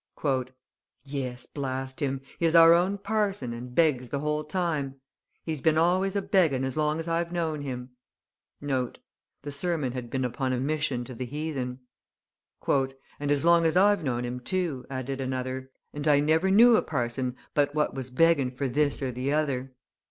"Yes, blast him! He is our own parson, and begs the whole time. He's been always a begging as long as I've known him." (The sermon had been upon a mission to the heathen.) "And as long as I've known him too," added another; "and I never knew a parson but what was begging for this or the other."